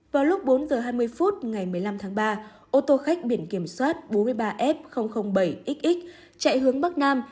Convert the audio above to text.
vào lúc bốn h hai mươi phút ngày một mươi năm tháng ba ô tô khách biển kiểm soát bốn mươi ba f bảy xx chạy hướng bắc nam